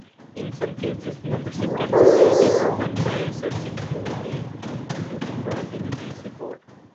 In some cases, membership can only be proven by searching through the fraternity's records.